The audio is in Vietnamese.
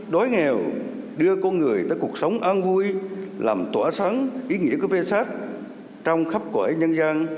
đói nghèo đưa con người tới cuộc sống an vui làm tỏa sáng ý nghĩa của vê sát trong khắp quả nhân dân